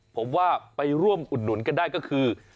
ผมว่าไปร่วมอุดหนุนกันได้ก็คือ